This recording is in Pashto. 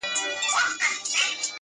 میاشتي کلونه زمانه به ستا وي،